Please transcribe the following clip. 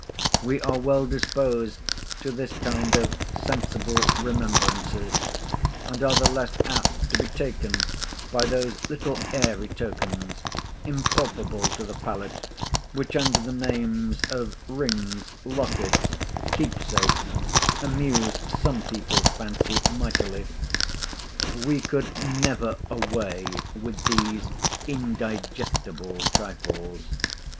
We are well disposed to this kind of sensible remembrances; and are the less apt to be taken by those little airy tokens—inpalpable to the palate—which, under the names of rings, lockets, keep sakes, amuse some people's fancy mightily. We could never away with these indigestible trifles.